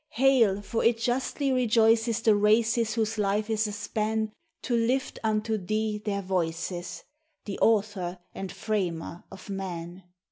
Hail! for it justly rejoices the races whose life is a span To lift unto thee their voices — the Author and Franier of man.